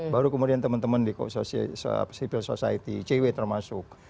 baru kemudian teman teman di civil society icw termasuk